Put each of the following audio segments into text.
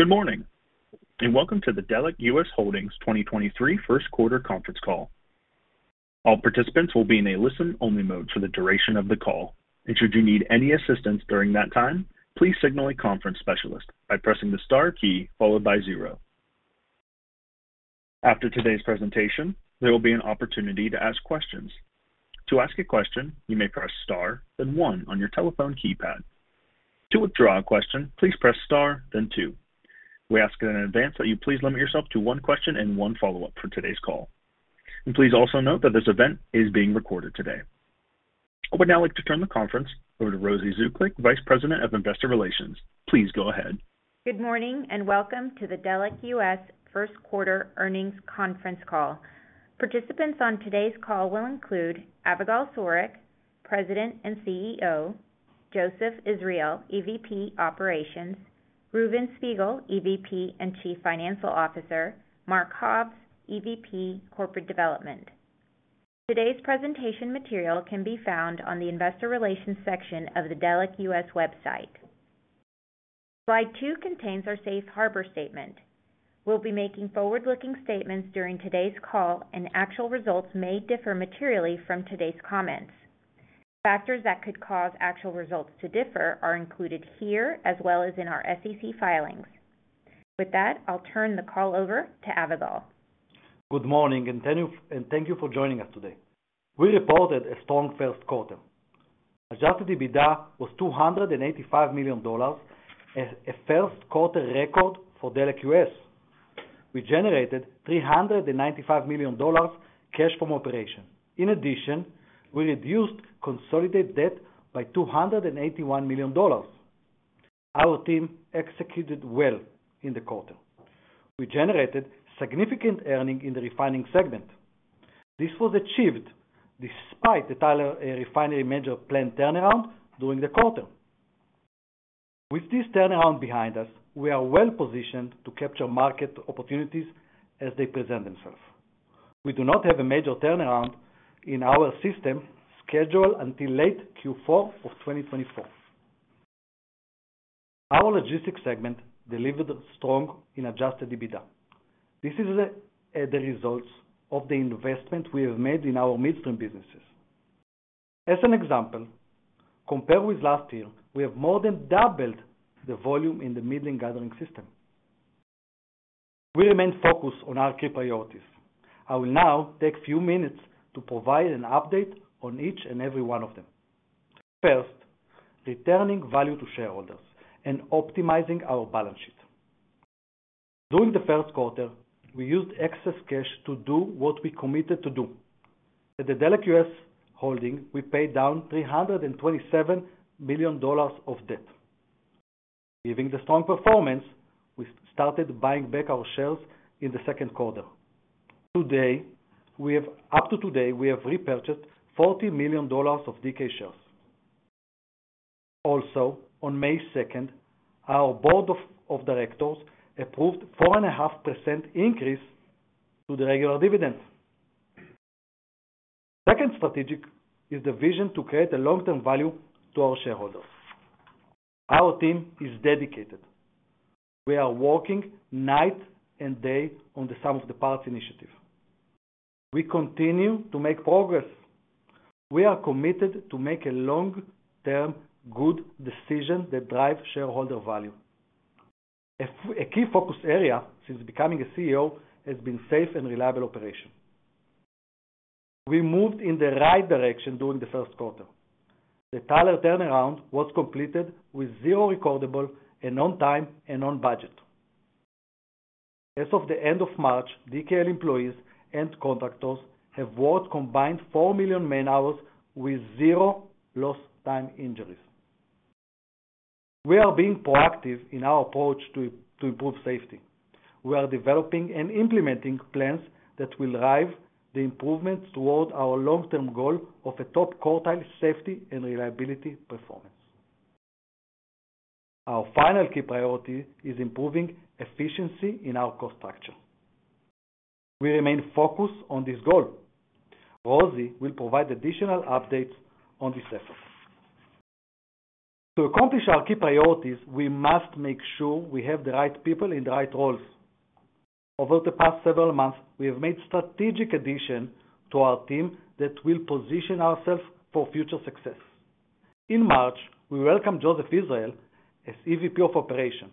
Good morning, welcome to the Delek US Holdings 2023 First Quarter Conference Call. All participants will be in a listen-only mode for the duration of the call. Should you need any assistance during that time, please signal a conference specialist by pressing the star key followed by zero. After today's presentation, there will be an opportunity to ask questions. To ask a question, you may press star, then one on your telephone keypad. To withdraw a question, please press star, then two. We ask in advance that you please limit yourself to one question and one follow-up for today's call. Please also note that this event is being recorded today. I would now like to turn the conference over to Rosy Zuklic, Vice President of Investor Relations. Please go ahead. Good morning, welcome to the Delek US First Quarter Earnings Conference Call. Participants on today's call will include Avigal Soreq, President and CEO, Joseph Israel, EVP Operations, Reuven Spiegel, EVP and Chief Financial Officer, Mark Hobbs, EVP Corporate Development. Today's presentation material can be found on the investor relations section of the Delek US website. Slide two contains our safe harbor statement. We'll be making forward-looking statements during today's call and actual results may differ materially from today's comments. Factors that could cause actual results to differ are included here, as well as in our SEC filings. With that, I'll turn the call over to Avigal. Good morning and thank you for joining us today. We reported a strong first quarter. Adjusted EBITDA was $285 million, a first quarter record for Delek US. We generated $395 million cash from operation. In addition, we reduced consolidated debt by $281 million. Our team executed well in the quarter. We generated significant earnings in the refining segment. This was achieved despite the Tyler Refinery major plant turnaround during the quarter. With this turnaround behind us, we are well-positioned to capture market opportunities as they present themselves. We do not have a major turnaround in our system scheduled until late Q4 of 2024. Our logistics segment delivered strong in adjusted EBITDA. This is the results of the investment we have made in our midstream businesses. As an example, compared with last year, we have more than doubled the volume in the Midland Gathering System. We remain focused on our key priorities. I will now take few minutes to provide an update on each and every one of them. First, returning value to shareholders and optimizing our balance sheet. During the first quarter, we used excess cash to do what we committed to do. At the Delek US holding, we paid down $327 million of debt. Given the strong performance, we started buying back our shares in the second quarter. up to today, we have repurchased $40 million of DKL shares. Also, on May second, our board of directors approved 4.5% increase to the regular dividends. Second strategic is the vision to create a long-term value to our shareholders. Our team is dedicated. We are working night and day on the Sum of the Parts initiative. We continue to make progress. We are committed to make a long-term good decision that drives shareholder value. A key focus area since becoming a CEO has been safe and reliable operation. We moved in the right direction during the first quarter. The Tyler turnaround was completed with zero recordable and on time and on budget. As of the end of March, DKL employees and contractors have worked combined 4 million man-hours with zero lost time injuries. We are being proactive in our approach to improve safety. We are developing and implementing plans that will drive the improvements towards our long-term goal of a top quartile safety and reliability performance. Our final key priority is improving efficiency in our cost structure. We remain focused on this goal. Rosie will provide additional updates on this effort. To accomplish our key priorities, we must make sure we have the right people in the right roles. Over the past several months, we have made strategic addition to our team that will position ourselves for future success. In March, we welcomed Joseph Israel as EVP of Operation.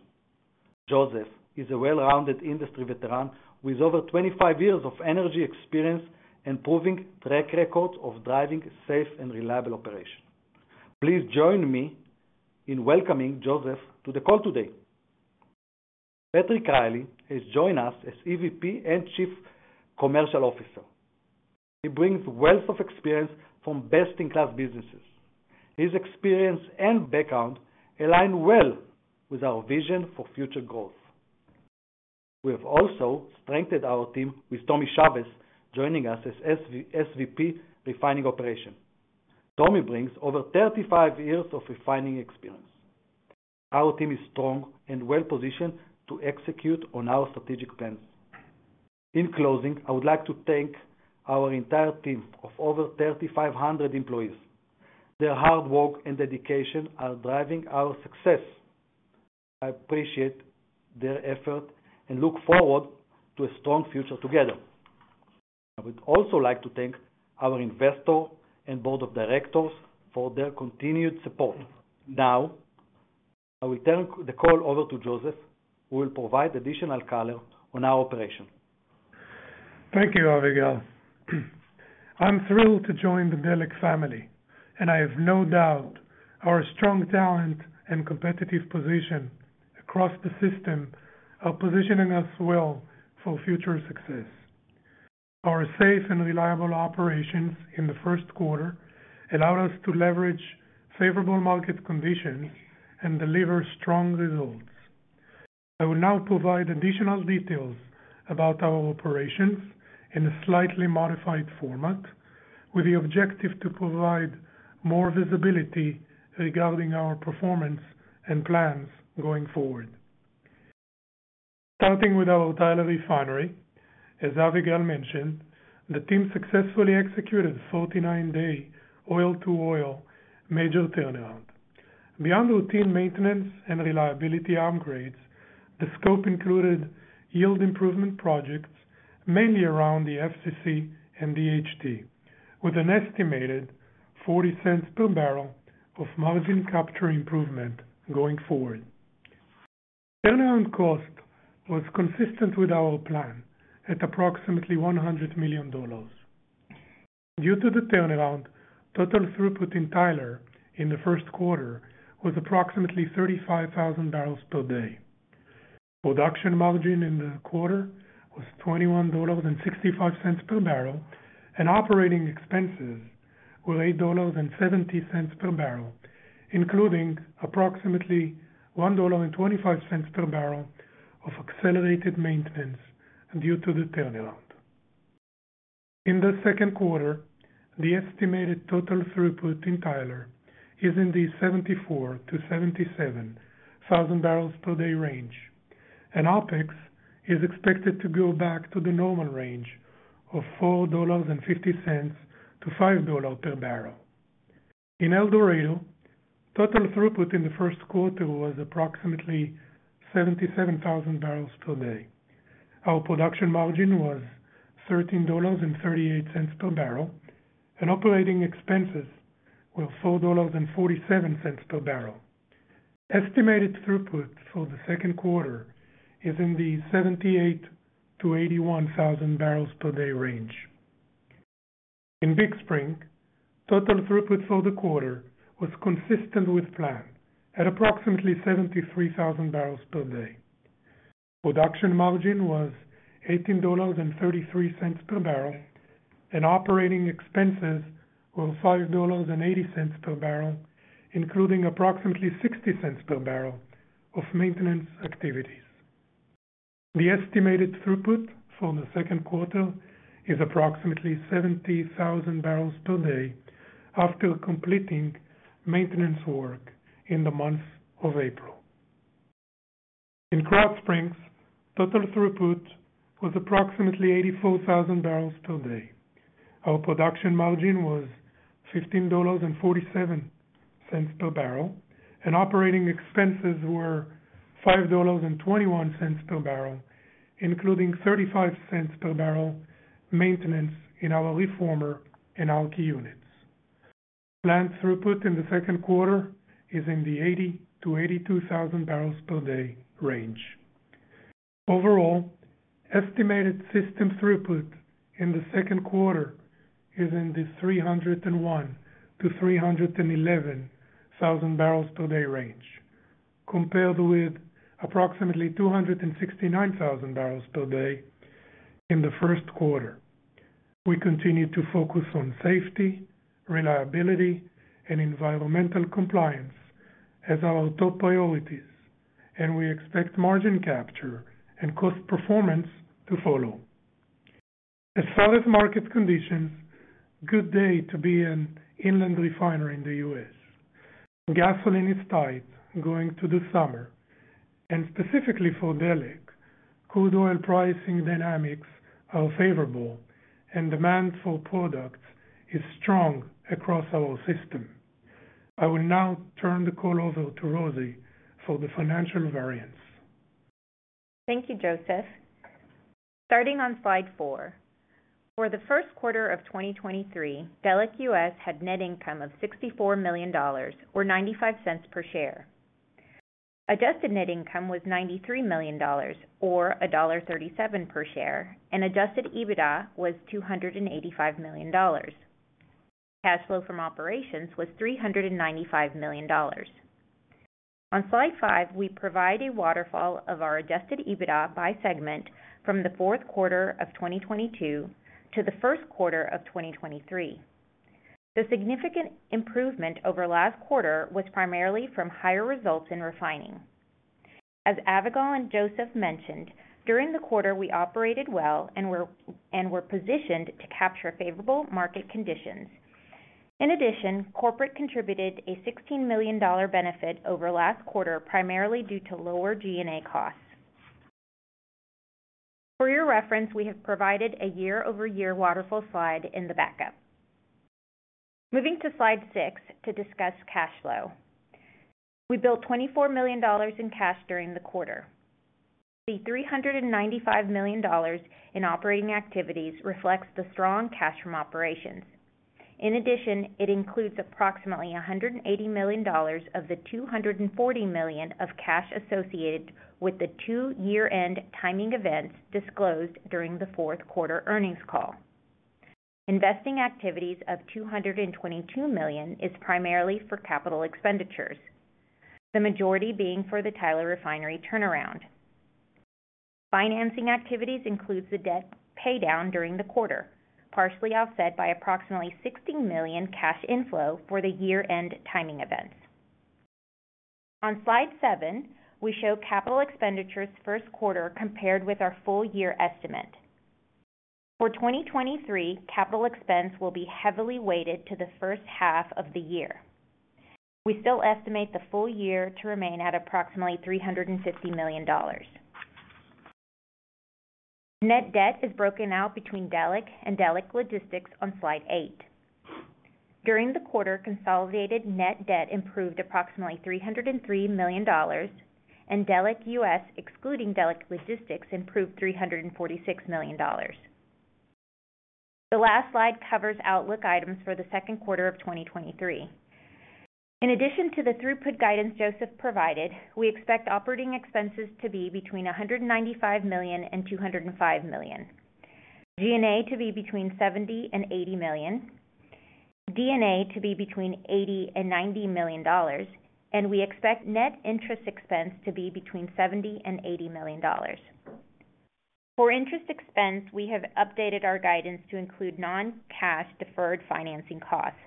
Joseph is a well-rounded industry veteran with over 25 years of energy experience and proven track record of driving safe and reliable Operation. Please join me in welcoming Joseph to the call today. Patrick Reilly has joined us as EVP and Chief Commercial Officer. He brings wealth of experience from best-in-class businesses. His experience and background align well with our vision for future growth. We have also strengthened our team with Tommy Chavez joining us as SVP Refining Operation. Tommy brings over 35 years of refining experience. Our team is strong and well-positioned to execute on our strategic plans. In closing, I would like to thank our entire team of over 3,500 employees. Their hard work and dedication are driving our success. I appreciate their effort and look forward to a strong future together. I would also like to thank our investor and board of directors for their continued support. Now, I will turn the call over to Joseph, who will provide additional color on our operation. Thank you, Avigal. I'm thrilled to join the Delek family, and I have no doubt our strong talent and competitive position across the system are positioning us well for future success. Our safe and reliable operations in the first quarter allowed us to leverage favorable market conditions and deliver strong results. I will now provide additional details about our operations in a slightly modified format, with the objective to provide more visibility regarding our performance and plans going forward. Starting with our Tyler Refinery, as Avigal mentioned, the team successfully executed a 49-day oil-to-oil major turnaround. Beyond routine maintenance and reliability upgrades, the scope included yield improvement projects, mainly around the FCC and the HT, with an estimated $0.40 per barrel of margin capture improvement going forward. Turnaround cost was consistent with our plan at approximately $100 million. Due to the turnaround, total throughput in Tyler in the first quarter was approximately 35,000 barrels per day. Production margin in the quarter was $21.65 per barrel, and operating expenses were $8.70 per barrel, including approximately $1.25 per barrel of accelerated maintenance due to the turnaround. In the second quarter, the estimated total throughput in Tyler is in the 74,000-77,000 barrels per day range, and OpEx is expected to go back to the normal range of $4.50-$5.00 per barrel. In El Dorado, total throughput in the first quarter was approximately 77,000 barrels per day. Our production margin was $13.38 per barrel, and operating expenses were $4.47 per barrel. Estimated throughput for the second quarter is in the 78,000-81,000 barrels per day range. In Big Spring, total throughput for the quarter was consistent with plan at approximately 73,000 barrels per day. Production margin was $18.33 per barrel, and operating expenses were $5.80 per barrel, including approximately $0.60 per barrel of maintenance activities. The estimated throughput for the second quarter is approximately 70,000 barrels per day after completing maintenance work in the month of April. In Krotz Springs, total throughput was approximately 84,000 barrels per day. Our production margin was $15.47 per barrel, and operating expenses were $5.21 per barrel, including $0.35 per barrel maintenance in our reformer and alky units. Planned throughput in the second quarter is in the 80,000-82,000 barrels per day range. Overall, estimated system throughput in the second quarter is in the 301,000-311,000 barrels per day range, compared with approximately 269,000 barrels per day in the first quarter. We continue to focus on safety, reliability, and environmental compliance as our top priorities, and we expect margin capture and cost performance to follow. As far as market conditions, good day to be an inland refinery in the U.S. Gasoline is tight going to the summer, and specifically for Delek, crude oil pricing dynamics are favorable and demand for products is strong across our system. I will now turn the call over to Rosie for the financial variance. Thank you, Joseph. Starting on slide four. For the first quarter of 2023, Delek US had net income of $64 million or $0.95 per share. Adjusted net income was $93 million or $1.37 per share, and adjusted EBITDA was $285 million. Cash flow from operations was $395 million. On slide five, we provide a waterfall of our adjusted EBITDA by segment from the fourth quarter of 2022 to the first quarter of 2023. The significant improvement over last quarter was primarily from higher results in refining. As Avigal and Joseph mentioned, during the quarter, we operated well and were positioned to capture favorable market conditions. corporate contributed a $16 million benefit over last quarter, primarily due to lower G&A costs. For your reference, we have provided a year-over-year waterfall slide in the backup. Moving to slide 6 to discuss cash flow. We built $24 million in cash during the quarter. The $395 million in operating activities reflects the strong cash from operations. In addition, it includes approximately $180 million of the $240 million of cash associated with the two year-end timing events disclosed during the fourth quarter earnings call. Investing activities of $222 million is primarily for capital expenditures, the majority being for the Tyler Refinery turnaround. Financing activities includes the debt pay down during the quarter, partially offset by approximately $60 million cash inflow for the year-end timing events. On slide 7, we show capital expenditures first quarter compared with our full year estimate. For 2023, capital expense will be heavily weighted to the first half of the year. We still estimate the full year to remain at approximately $350 million. Net debt is broken out between Delek and Delek Logistics on slide 8. During the quarter, consolidated net debt improved approximately $303 million, and Delek US, excluding Delek Logistics, improved $346 million. The last slide covers outlook items for the second quarter of 2023. In addition to the throughput guidance Joseph provided, we expect operating expenses to be between $195 million and $205 million, G&A to be between $70 million and $80 million, D&A to be between $80 million and $90 million, and we expect net interest expense to be between $70 million and $80 million. For interest expense, we have updated our guidance to include non-cash deferred financing costs.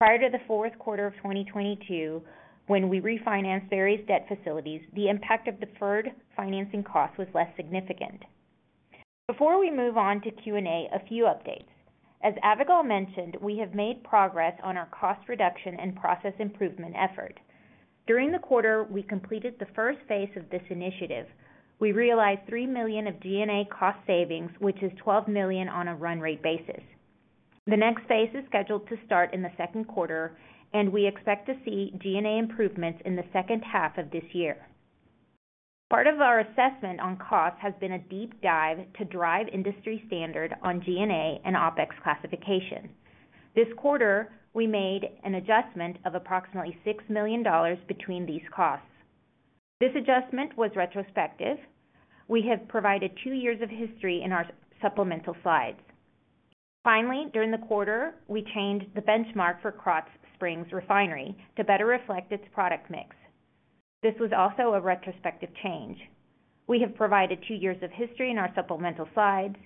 Prior to the fourth quarter of 2022, when we refinanced various debt facilities, the impact of deferred financing costs was less significant. Before we move on to Q&A, a few updates. As Avigal mentioned, we have made progress on our cost reduction and process improvement effort. During the quarter, we completed the first phase of this initiative. We realized $3 million of G&A cost savings, which is $12 million on a run rate basis. The next phase is scheduled to start in the second quarter, and we expect to see G&A improvements in the second half of this year. Part of our assessment on costs has been a deep dive to drive industry standard on G&A and OpEx classification. This quarter, we made an adjustment of approximately $6 million between these costs. This adjustment was retrospective. We have provided two years of history in our supplemental slides. During the quarter, we changed the benchmark for Krotz Springs Refinery to better reflect its product mix. This was also a retrospective change. We have provided two years of history in our supplemental slides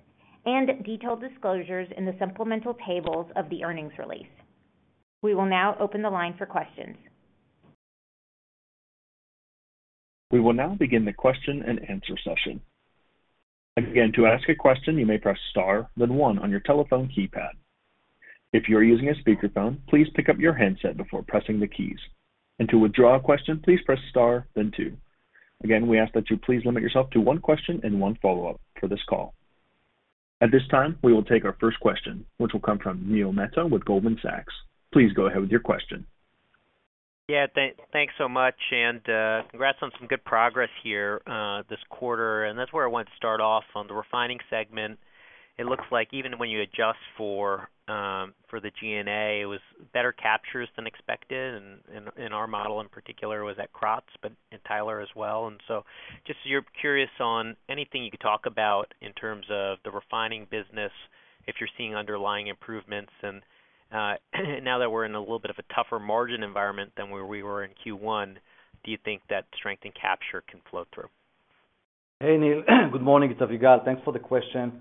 and detailed disclosures in the supplemental tables of the earnings release. We will now open the line for questions. We will now begin the question and answer session. Again, to ask a question, you may press Star, then one on your telephone keypad. If you're using a speakerphone, please pick up your handset before pressing the keys. To withdraw a question, please press Star, then two. Again, we ask that you please limit yourself to one question and one follow-up for this call. At this time, we will take our first question, which will come from Neil Mehta with Goldman Sachs. Please go ahead with your question. Yeah, thanks so much, and congrats on some good progress here this quarter. That's where I want to start off on the refining segment. It looks like even when you adjust for the G&A, it was better captures than expected in our model in particular was at Krotz, but in Tyler as well. Just so you're curious on anything you could talk about in terms of the refining business, if you're seeing underlying improvements. Now that we're in a little bit of a tougher margin environment than where we were in Q1, do you think that strength and capture can flow through? Hey, Neil. Good morning. It's Avigal. Thanks for the question,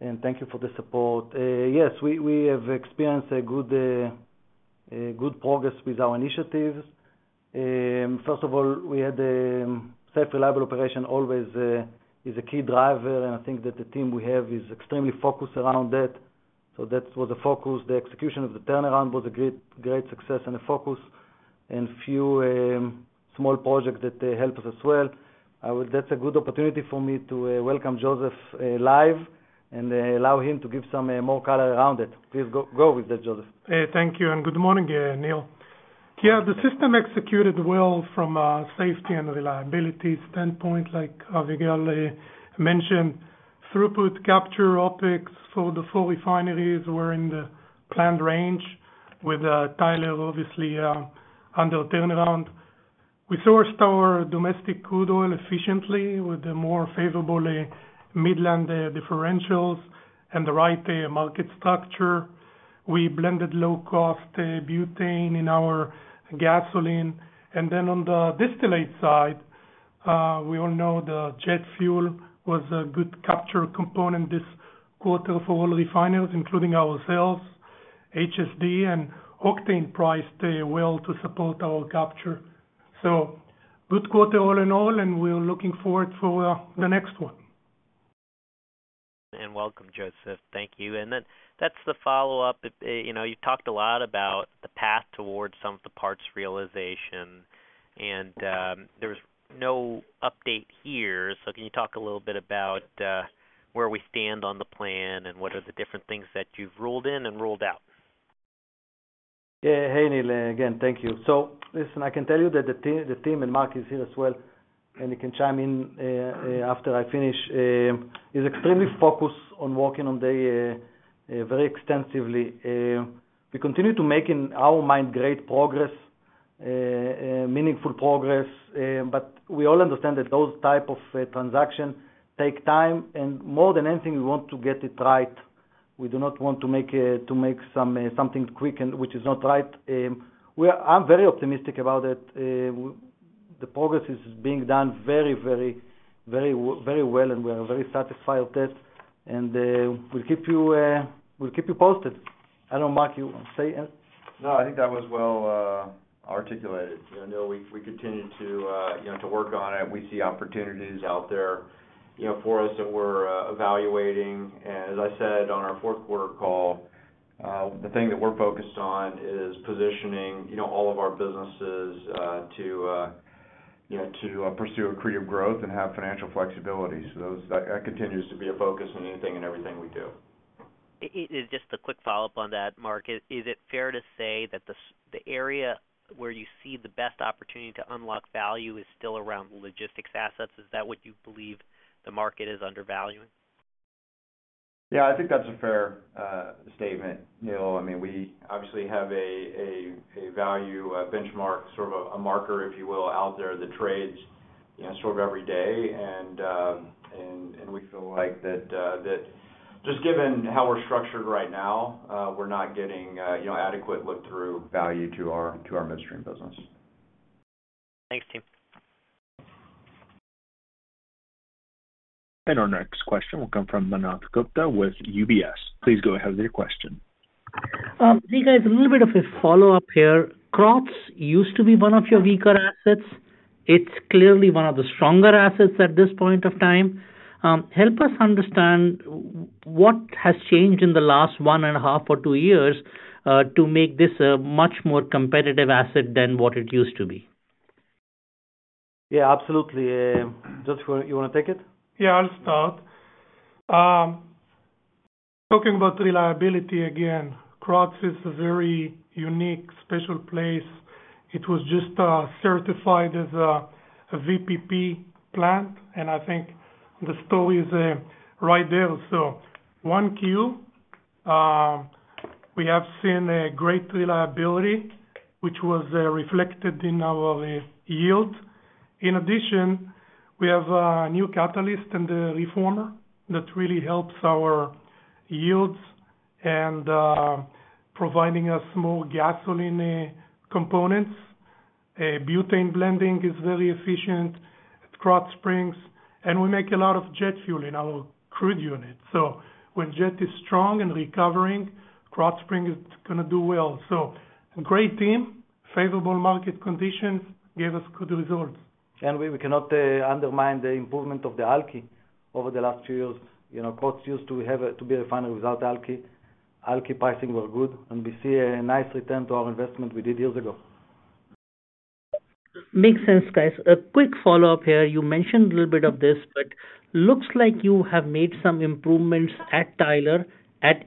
and thank you for the support. Yes, we have experienced a good progress with our initiatives. First of all, we had the safe, reliable operation always is a key driver, and I think that the team we have is extremely focused around that. That was a focus. The execution of the turnaround was a great success and a focus and few small projects that helped us as well. That's a good opportunity for me to welcome Joseph live and allow him to give some more color around it. Please go with that, Joseph. Hey, thank you, and good morning, Neil. Yeah, the system executed well from a safety and reliability standpoint, like Avigal mentioned. Throughput capture OpEx for the full refineries were in the planned range with Tyler obviously under turnaround. We sourced our domestic crude oil efficiently with a more favorable Midland differentials and the right market structure. We blended low-cost butane in our gasoline. On the distillate side, we all know the jet fuel was a good capture component this quarter for all refiners, including ourselves. HSD and octane priced well to support our capture. Good quarter all in all, and we're looking forward for the next one. Welcome, Joseph. Thank you. That's the follow-up. You know, you talked a lot about the path towards Sum of the Parts realization, and there's no update here. Can you talk a little bit about where we stand on the plan and what are the different things that you've ruled in and ruled out? Yeah. Hey, Neil. Again, thank you. Listen, I can tell you that the team, and Mark is here as well, and he can chime in after I finish. He's extremely focused on working on the very extensively. We continue to make in our mind great progress, meaningful progress. But we all understand that those type of transaction take time, and more than anything, we want to get it right. We do not want to make something quick and which is not right. I'm very optimistic about it. The progress is being done very, very well, and we are very satisfied with it. And, we'll keep you posted. I don't know, Mark, you want to say anything? No, I think that was well articulated. You know, Neil, we continue to, you know, to work on it. We see opportunities out there, you know, for us that we're evaluating. As I said on our fourth quarter call, the thing that we're focused on is positioning, you know, all of our businesses, to, you know, to pursue accretive growth and have financial flexibility. That continues to be a focus in anything and everything we do. Just a quick follow-up on that, Mark. Is it fair to say that the area where you see the best opportunity to unlock value is still around logistics assets? Is that what you believe the market is undervaluing? Yeah, I think that's a fair statement, Neil. I mean, we obviously have a value benchmark, sort of a marker, if you will, out there that trades, you know, sort of every day. We feel like that just given how we're structured right now, we're not getting, you know, adequate look-through value to our midstream business. Thanks, team. Our next question will come from Manav Gupta with UBS. Please go ahead with your question. Hey, guys, a little bit of a follow-up here. Krotz Springs used to be one of your weaker assets. It's clearly one of the stronger assets at this point of time. Help us understand what has changed in the last 1.5 or two years to make this a much more competitive asset than what it used to be? Yeah, absolutely. Joseph, you wanna take it? Yeah, I'll start. Talking about reliability again, Krotz is a very unique, special place. It was just certified as a VPP plant, and I think the story is right there. 1Q, we have seen a great reliability, which was reflected in our yield. In addition, we have a new catalyst in the reformer that really helps our yields and providing us more gasoline components. Butane blending is very efficient at Krotz Springs, and we make a lot of jet fuel in our crude unit. When jet is strong and recovering, Krotz Springs is gonna do well. Great team, favorable market conditions gave us good results. We cannot undermine the improvement of the alky over the last few years. You know, Krotz used to be a final result alky. Alky pricing was good. We see a nice return to our investment we did years ago. Makes sense, guys. A quick follow-up here. You mentioned a little bit of this, but looks like you have made some improvements at Tyler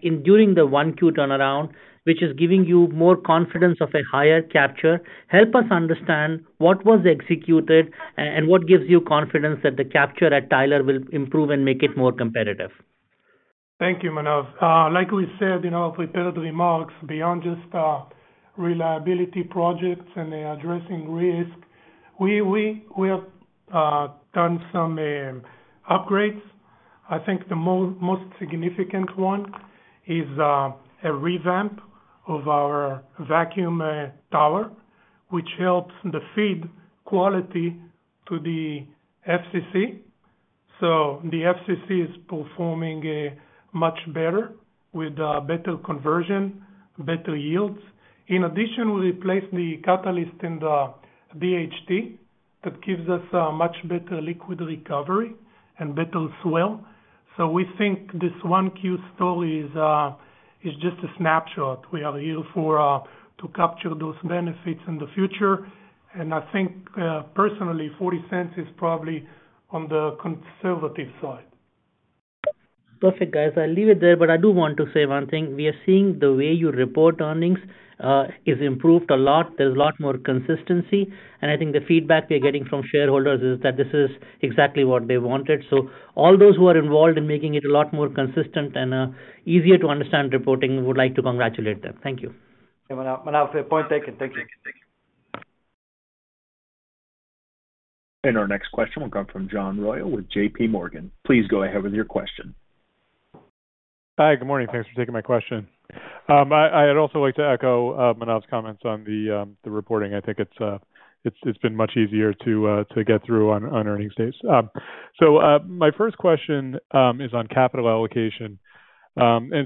in during the 1Q turnaround, which is giving you more confidence of a higher capture. Help us understand what was executed and what gives you confidence that the capture at Tyler will improve and make it more competitive? Thank you, Manav. Like we said, you know, prepared remarks beyond just reliability projects and addressing risk. We have done some upgrades. I think the most significant one is a revamp of our vacuum tower, which helps the feed quality to the FCC. The FCC is performing much better with better conversion, better yields. In addition, we replaced the catalyst in the BHT. That gives us a much better liquid recovery and better swell. We think this one Q story is just a snapshot. We are here for to capture those benefits in the future. I think, personally, $0.40 is probably on the conservative side. Perfect, guys. I'll leave it there. I do want to say one thing. We are seeing the way you report earnings is improved a lot. There's a lot more consistency. I think the feedback we're getting from shareholders is that this is exactly what they wanted. All those who are involved in making it a lot more consistent and easier to understand reporting, would like to congratulate them. Thank you. Hey, Manav. Manav, fair point taken. Thank you. Our next question will come from John Royall with J.P. Morgan. Please go ahead with your question. Hi. Good morning. Thanks for taking my question. I'd also like to echo Manav's comments on the reporting. I think it's been much easier to get through on earnings days. My first question is on capital allocation.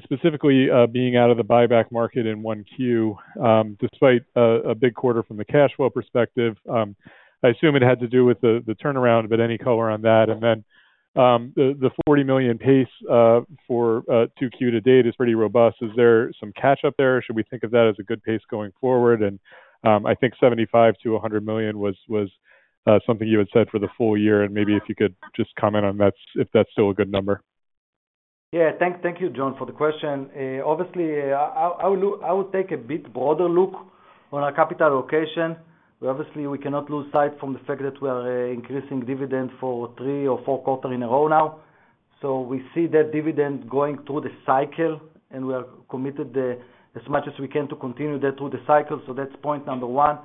Specifically, being out of the buyback market in 1Q, despite a big quarter from the cash flow perspective, I assume it had to do with the turnaround, but any color on that? The $40 million pace for 2Q to date is pretty robust. Is there some catch up there? Should we think of that as a good pace going forward? I think $75 million-$100 million was something you had said for the full year, and maybe if you could just comment on if that's still a good number. Yeah. Thank you, John, for the question. Obviously, I will take a bit broader look on our capital allocation. Obviously, we cannot lose sight from the fact that we are increasing dividend for three or four quarter in a row now. We see that dividend going through the cycle, and we are committed as much as we can to continue that through the cycle. That's point number one.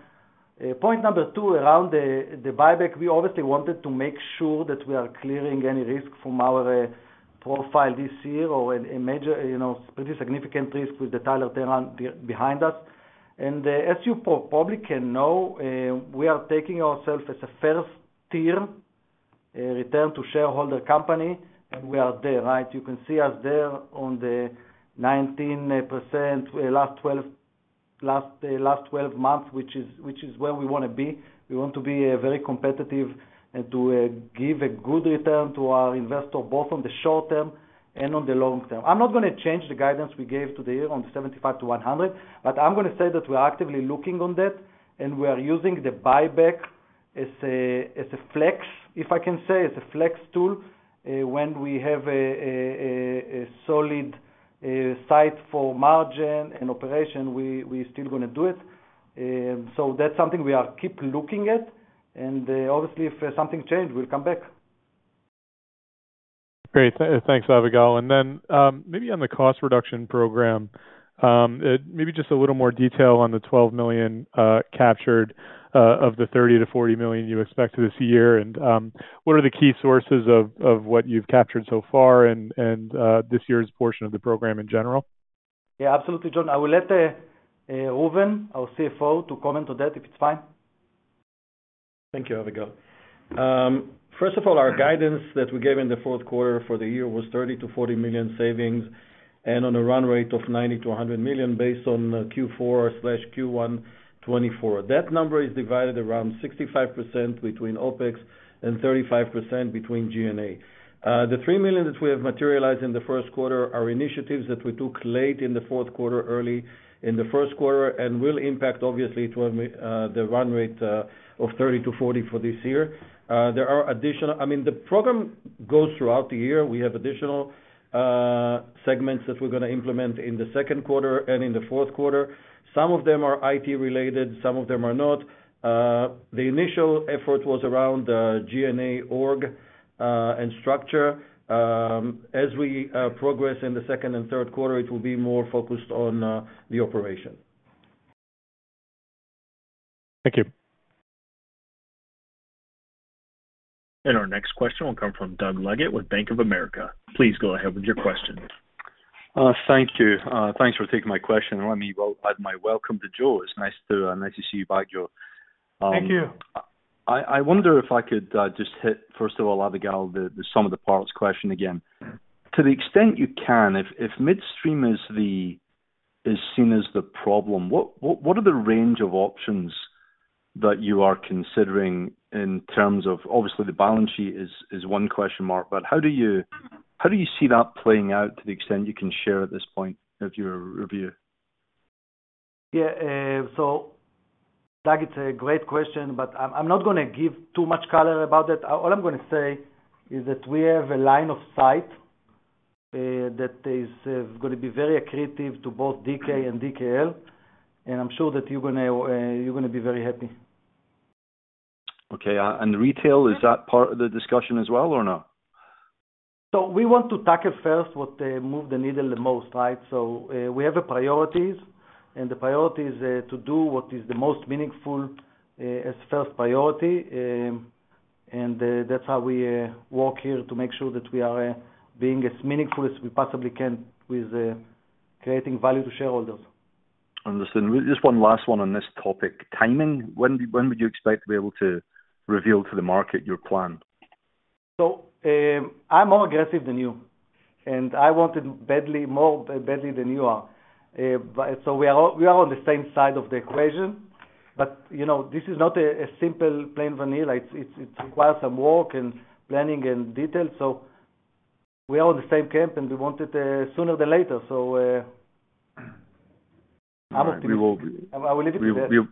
Point number two, around the buyback. We obviously wanted to make sure that we are clearing any risk from our profile this year or in a major, you know, pretty significant risk with the Tyler turnaround behind us. As you probably can know, we are taking ourself as a first tier return to shareholder company, and we are there, right? You can see us there on the 19% last 12 months, which is where we wanna be. We want to be very competitive and to give a good return to our investor, both on the short term and on the long term. I'm not gonna change the guidance we gave today on the $75-$100, but I'm gonna say that we're actively looking on that, and we are using the buyback as a, as a flex, if I can say. As a flex tool, when we have a solid site for margin and operation, we still gonna do it. So that's something we are keep looking at. Obviously, if something change, we'll come back. Great. Thanks, Avigal. Maybe on the cost reduction program, maybe just a little more detail on the $12 million captured of the $30 million-$40 million you expect this year. What are the key sources of what you've captured so far this year's portion of the program in general? Yeah. Absolutely, John. I will let Reuven, our CFO, to comment on that, if it's fine. Thank you, Avigal. First of all, our guidance that we gave in the fourth quarter for the year was $30 million-$40 million savings, on a run rate of $90 million-$100 million based on Q4/Q1 2024. That number is divided around 65% between OpEx and 35% between G&A. The $3 million that we have materialized in the first quarter are initiatives that we took late in the fourth quarter, early in the first quarter, and will impact obviously the run rate of $30 million-$40 million for this year. There are additional... I mean, the program goes throughout the year. We have additional segments that we're gonna implement in the second quarter and in the fourth quarter. Some of them are IT related, some of them are not. The initial effort was around G&A org and structure. As we progress in the second and third quarter, it will be more focused on the operation. Thank you. Our next question will come from Doug Leggate with Bank of America. Please go ahead with your question. Thank you. Thanks for taking my question. Let me add my welcome to Joe. It's nice to see you back, Joe. Thank you. I wonder if I could just hit, first of all, Avigal, the sum of the parts question again. To the extent you can, if midstream is seen as the problem, what are the range of options that you are considering in terms of, Obviously the balance sheet is one question mark, but how do you see that playing out, to the extent you can share at this point of your review? Yeah. Doug, it's a great question, but I'm not gonna give too much color about that. All I'm gonna say is that we have a line of sight that is gonna be very accretive to both DK and DKL, and I'm sure that you're gonna be very happy. Okay. Retail, is that part of the discussion as well or no? We want to tackle first what move the needle the most, right? We have a priorities, and the priority is to do what is the most meaningful as first priority. That's how we work here to make sure that we are being as meaningful as we possibly can with creating value to shareholders. Understood. Just one last one on this topic. Timing. When would you expect to be able to reveal to the market your plan? I'm more aggressive than you, and I want it badly, more badly than you are. We are all, we are on the same side of the equation, but, you know, this is not a simple plain vanilla. It requires some work and planning and detail. We're on the same camp, and we want it sooner than later. We will- I will leave it at that.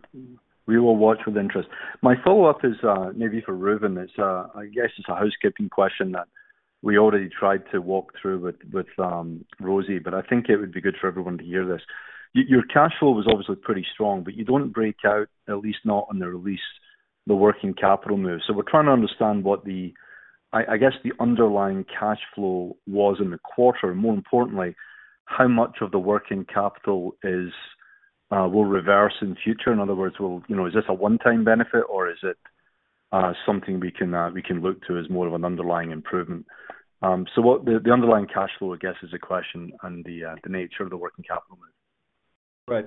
We will watch with interest. My follow-up is maybe for Reuven. It's I guess it's a housekeeping question that we already tried to walk through with Rosie, but I think it would be good for everyone to hear this. Your cash flow was obviously pretty strong, but you don't break out, at least not on the release, the working capital move. we're trying to understand what the I guess the underlying cash flow was in the quarter. More importantly, how much of the working capital is will reverse in future. In other words, will, you know, is this a one-time benefit or is it something we can look to as more of an underlying improvement? what the underlying cash flow, I guess, is the question and the nature of the working capital. Right.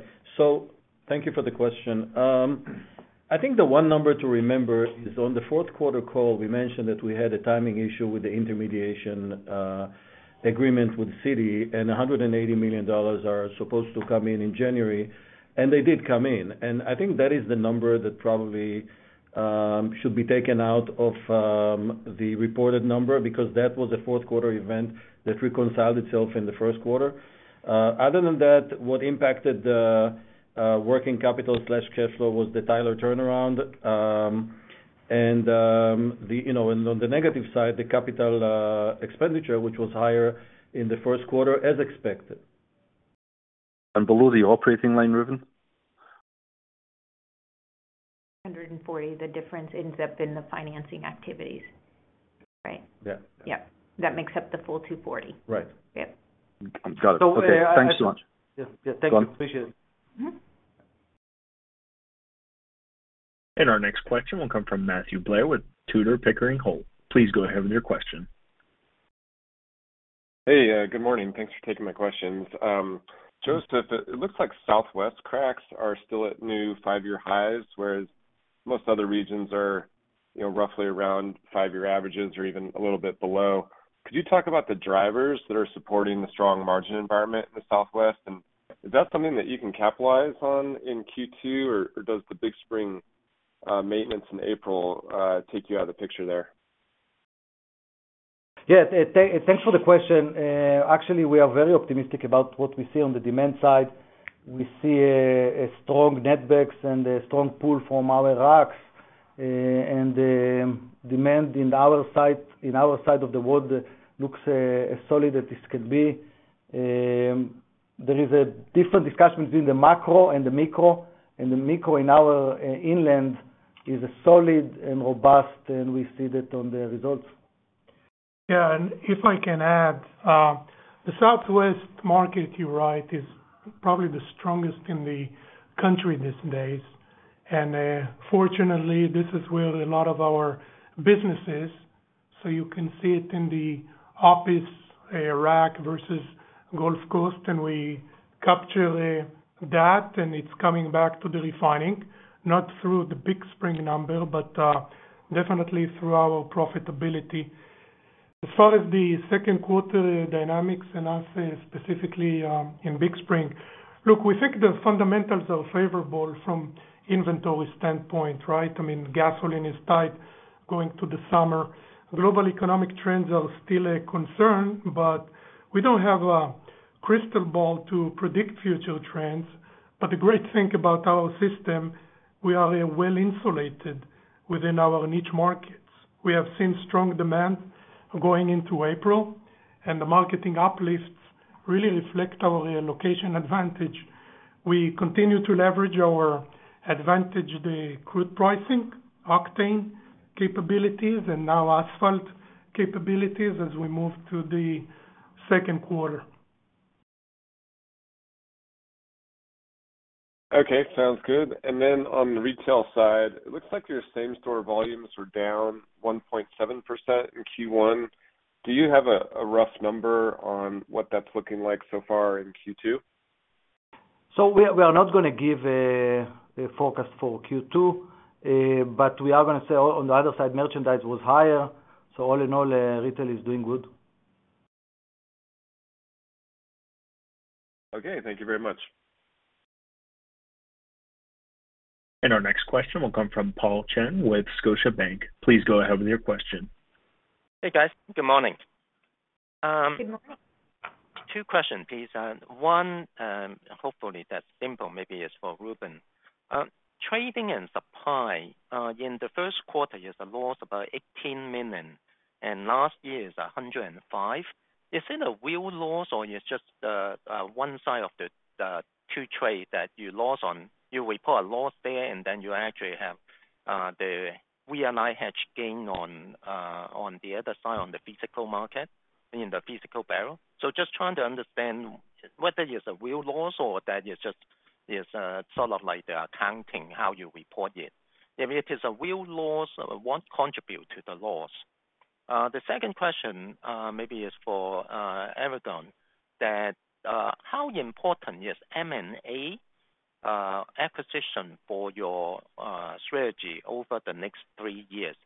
Thank you for the question. I think the one number to remember is on the fourth quarter call, we mentioned that we had a timing issue with the intermediation agreement with Citi, and $180 million are supposed to come in in January, and they did come in. I think that is the number that probably should be taken out of the reported number because that was a fourth quarter event that reconciled itself in the first quarter. Other than that, what impacted the working capital/cash flow was the Tyler turnaround. You know, on the negative side, the capital expenditure, which was higher in the first quarter as expected. below the operating line, Reuven? $140, the difference ends up in the financing activities. Right? Yeah. Yeah. That makes up the full 240. Right. Yeah. Got it. Okay, thanks so much. Yeah. Thank you. Appreciate it. Our next question will come from Matthew Blair with Tudor, Pickering Holt. Please go ahead with your question. Good morning. Thanks for taking my questions. Joseph, it looks like Southwest cracks are still at new five-year highs, whereas most other regions are, you know, roughly around five-year averages or even a little bit below. Could you talk about the drivers that are supporting the strong margin environment in the Southwest, and is that something that you can capitalize on in Q2, or does the Big Spring maintenance in April take you out of the picture there? Yes. Thanks for the question. Actually, we are very optimistic about what we see on the demand side. We see a strong netbacks and a strong pull from our racks, and the demand in our side of the world looks solid as this could be. There is a different discussion between the macro and the micro, the micro in our inland is solid and robust, and we see that on the results. Yeah. If I can add, the Southwest market, you're right, is probably the strongest in the country these days. Fortunately, this is where a lot of our business is, so you can see it in the off-rack versus Gulf Coast, and we capture that, and it's coming back to the refining, not through the Big Spring number, but definitely through our profitability. As far as the second quarter dynamics, and I'll say specifically, in Big Spring. Look, we think the fundamentals are favorable from inventory standpoint, right? I mean, gasoline is tight going to the summer. Global economic trends are still a concern, but we don't have a crystal ball to predict future trends. The great thing about our system, we are well-insulated within our niche markets. We have seen strong demand going into April. The marketing uplifts really reflect our location advantage. We continue to leverage our advantage, the crude pricing, octane capabilities, and now asphalt capabilities as we move to the second quarter. Okay. Sounds good. On the retail side, it looks like your same-store volumes were down 1.7% in Q1. Do you have a rough number on what that's looking like so far in Q2? We are not gonna give a forecast for Q2. We are gonna say on the other side, merchandise was higher, so all in all, retail is doing good. Okay. Thank you very much. Our next question will come from Paul Cheng with Scotiabank. Please go ahead with your question. Hey, guys. Good morning. Good morning. Two questions, please. One, hopefully that's simple, maybe is for Reuven. Trading and supply in the first quarter is a loss about $18 million, and last year is $105 million. Is it a real loss or it's just one side of the two trade that you lost on? You report a loss there and then you actually have the VNI hedge gain on the other side on the physical market, in the physical barrel. Just trying to understand whether it's a real loss or that is just sort of like the accounting, how you report it. If it is a real loss, what contribute to the loss? The second question, maybe is for Avigdor, that, how important is M&A acquisition for your strategy over the next three years,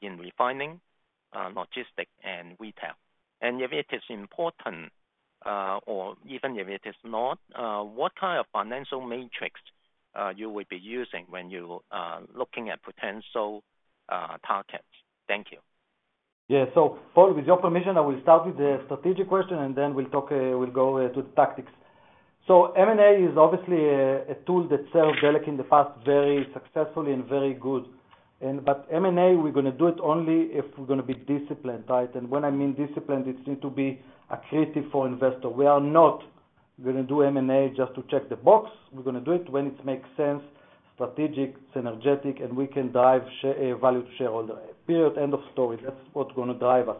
in refining, logistics and retail? If it is important, or even if it is not, what kind of financial metrics you would be using when you looking at potential targets? Thank you. Yeah. Paul, with your permission, I will start with the strategic question and then we'll talk, we'll go to the tactics. M&A is obviously a tool that served Delek in the past very successfully and very good. But M&A, we're gonna do it only if we're gonna be disciplined, right? When I mean disciplined, it need to be accretive for investor. We are not gonna do M&A just to check the box. We're gonna do it when it makes sense, strategic, synergetic, and we can drive value to shareholder. Period. End of story. That's what's gonna drive us.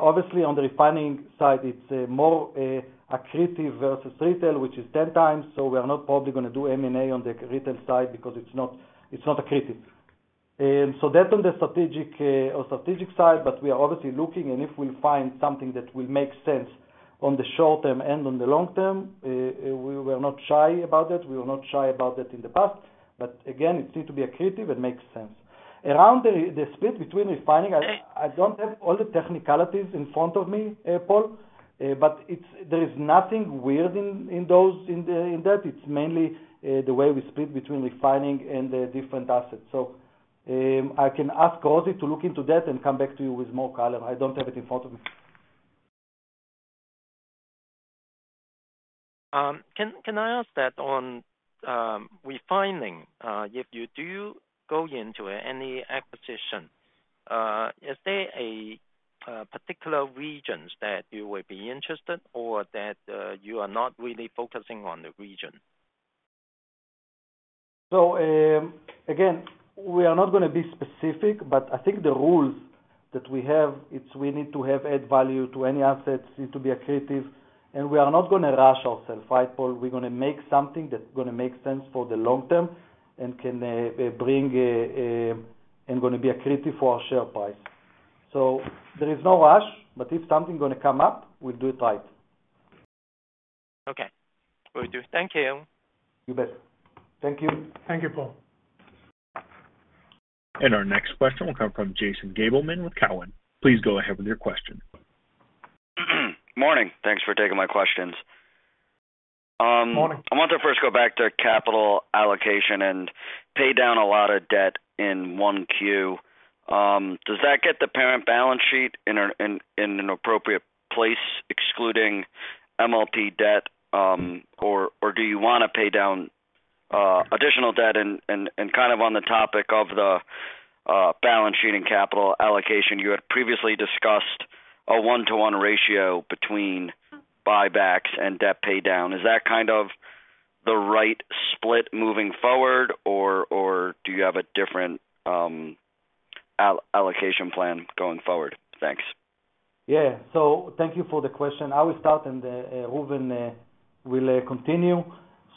Obviously on the refining side, it's more accretive versus retail, which is 10 times, so we are not probably gonna do M&A on the retail side because it's not, it's not accretive. That's on the strategic or strategic side, but we are obviously looking, and if we find something that will make sense on the short-term and on the long term, we were not shy about it. We were not shy about it in the past, but again, it needs to be accretive and makes sense. Around the split between refining, I don't have all the technicalities in front of me, Paul, but there is nothing weird in those in the in that. It's mainly the way we split between refining and the different assets. I can ask Ozzie to look into that and come back to you with more color. I don't have it in front of me. Can I ask that on refining, if you do go into any acquisition, is there a particular regions that you would be interested or that you are not really focusing on the region? Again, we are not gonna be specific, but I think the rules that we have, it's we need to have add value to any assets, need to be accretive, and we are not gonna rush ourselves, right, Paul? We're gonna make something that's gonna make sense for the long term and can bring and gonna be accretive for our share price. There is no rush, but if something gonna come up, we'll do it right. Okay. Will do. Thank you. You bet. Thank you. Thank you, Paul. Our next question will come from Jason Gabelman with Cowen. Please go ahead with your question. Morning. Thanks for taking my questions. Morning. I want to first go back to capital allocation and pay down a lot of debt in 1Q. Does that get the parent balance sheet in an appropriate place excluding MLP debt, or do you wanna pay down additional debt? And kind of on the topic of the balance sheet and capital allocation, you had previously discussed a 1-to-1 ratio between buybacks and debt pay down. Is that kind of the right split moving forward, or do you have a different all-allocation plan going forward? Thanks. Yeah. Thank you for the question. I will start, and Reuven will continue.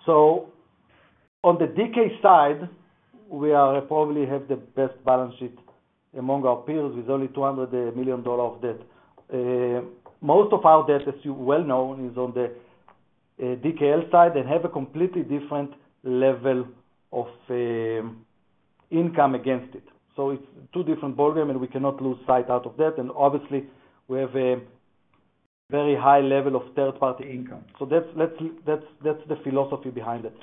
On the DK side, we are probably have the best balance sheet among our peers with only $200 million of debt. Most of our debt, as you well know, is on the DKL side and have a completely different level of income against it. It's two different program, and we cannot lose sight out of that. Obviously, we have a very high level of third-party income. That's the philosophy behind it.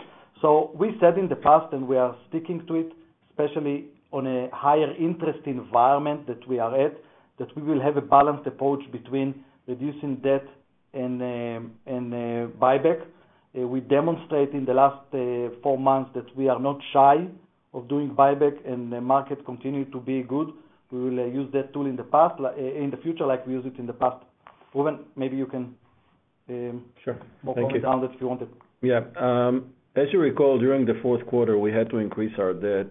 We said in the past, and we are sticking to it, especially on a higher interest environment that we are at, that we will have a balanced approach between reducing debt and buyback. We demonstrate in the last four months that we are not shy of doing buyback. The market continue to be good. We will use that tool in the past, in the future like we used it in the past. Reuven, maybe you can. Sure. Thank you. Go more in depth if you want it. As you recall, during the fourth quarter, we had to increase our debt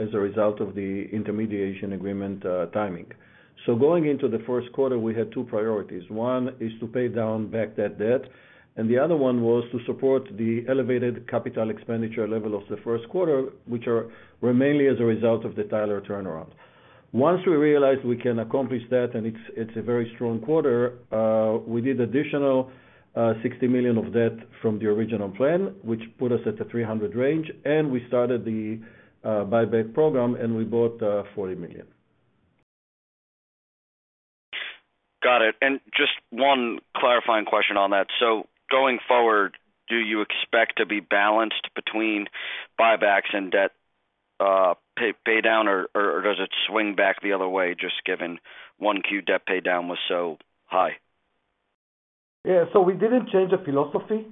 as a result of the intermediation agreement timing. Going into the first quarter, we had two priorities. One is to pay down back that debt, and the other one was to support the elevated capital expenditure level of the first quarter, which were mainly as a result of the Tyler turnaround. Once we realized we can accomplish that and it's a very strong quarter, we did additional $60 million of debt from the original plan, which put us at the $300 range. We started the buyback program, and we bought $40 million. Got it. Just one clarifying question on that. Going forward, do you expect to be balanced between buybacks and debt, pay down, or does it swing back the other way just given 1Q debt pay down was so high? Yeah. We didn't change the philosophy,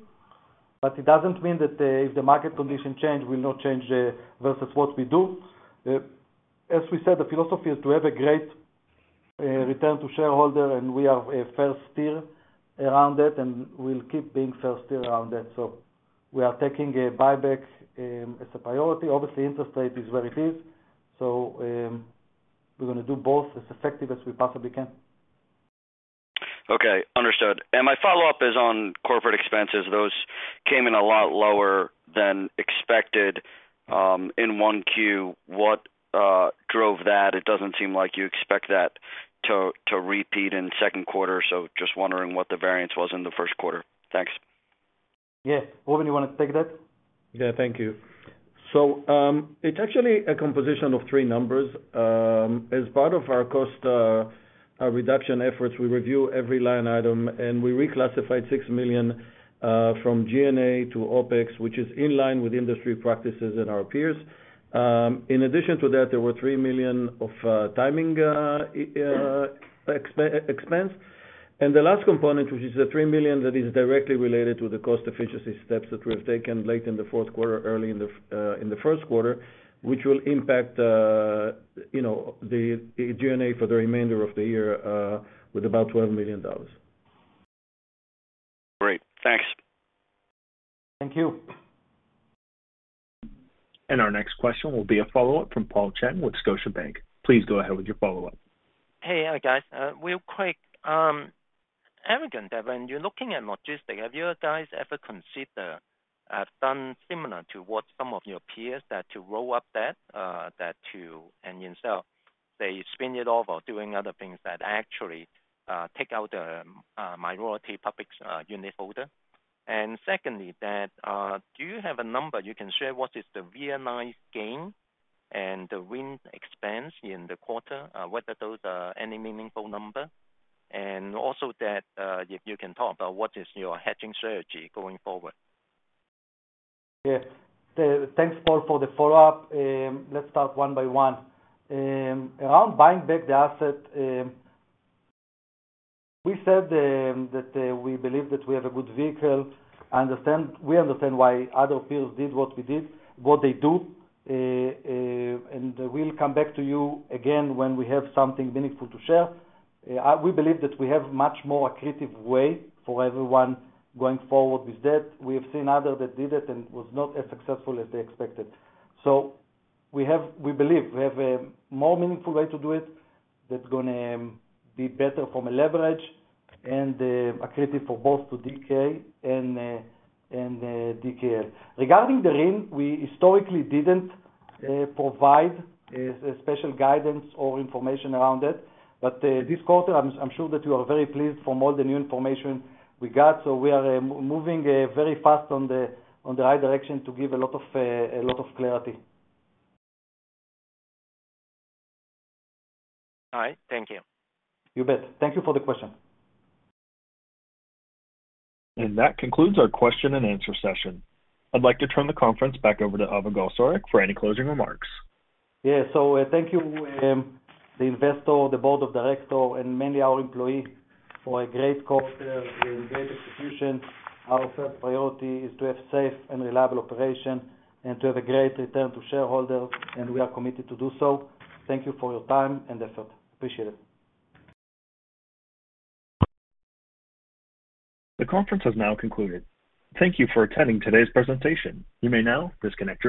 but it doesn't mean that, if the market condition change, we'll not change, versus what we do. As we said, the philosophy is to have a great return to shareholder, and we are a fair steer around it, and we'll keep being fair steer around it. We are taking a buyback, as a priority. Obviously, interest rate is where it is, we're gonna do both as effective as we possibly can. Okay. Understood. My follow-up is on corporate expenses. Those came in a lot lower than expected, in 1Q. What drove that? It doesn't seem like you expect that to repeat in 2Q. Just wondering what the variance was in the 1Q. Thanks. Yeah. Reuven, you wanna take that? Thank you. It's actually a composition of three numbers. As part of our cost reduction efforts, we review every line item, and we reclassified $6 million from G&A to OpEx, which is in line with industry practices and our peers. In addition to that, there were $3 million of timing expense. The last component, which is the $3 million that is directly related to the cost efficiency steps that we have taken late in the fourth quarter, early in the first quarter, which will impact, you know, the G&A for the remainder of the year with about $12 million. Great. Thanks. Thank you. Our next question will be a follow-up from Paul Cheng with Scotiabank. Please go ahead with your follow-up. Hey. Hi, guys. real quick, Avigal, Evan, you're looking at Logistics. Have you guys ever consider some similar to what some of your peers that to roll up that and instead they spin it off or doing other things that actually take out the minority public's unit holder? Secondly, do you have a number you can share what is the realized gain and the RIN expense in the quarter, whether those are any meaningful number? Also, if you can talk about what is your hedging strategy going forward. Yeah. Thanks, Paul, for the follow-up. Let's start one by one. Around buying back the asset, we said that we believe that we have a good vehicle. We understand why other peers did what we did, what they do. We'll come back to you again when we have something meaningful to share. We believe that we have much more accretive way for everyone going forward with that. We have seen others that did it and was not as successful as they expected. We believe we have a more meaningful way to do it that's gonna be better from a leverage and accretive for both to DK and DKL. Regarding the RIN, we historically didn't provide special guidance or information around it. This quarter, I'm sure that you are very pleased from all the new information we got. We are moving very fast on the right direction to give a lot of clarity. All right. Thank you. You bet. Thank you for the question. That concludes our question and answer session. I'd like to turn the conference back over to Avigal Soreq for any closing remarks. Thank you, the investor, the board of director, and mainly our employee for a great quarter and great execution. Our first priority is to have safe and reliable operation and to have a great return to shareholders, and we are committed to do so. Thank you for your time and effort. Appreciate it. The conference has now concluded. Thank you for attending today's presentation. You may now disconnect your line.